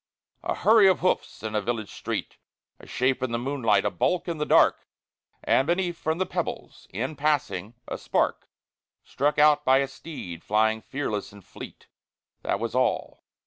A hurry of hoofs in a village street, A shape in the moonlight, a bulk in the dark, And beneath, from the pebbles, in passing, a spark Struck out by a steed flying fearless and fleet: That was all!